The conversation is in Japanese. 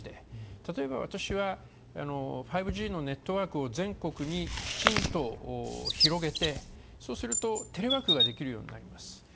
例えば、私は５Ｇのネットワークを全国にきちんと広げてそうすると、テレワークができるようになります。